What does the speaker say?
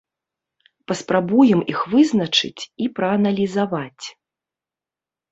Паспрабуем іх вызначыць і прааналізаваць.